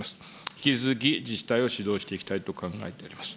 引き続き、自治体を指導していきたいと考えております。